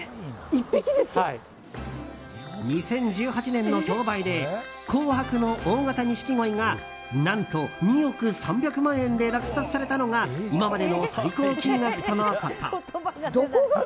２０１８年の競売で紅白の大型ニシキゴイが何と２億３００万円で落札されたのが今までの最高金額とのこと。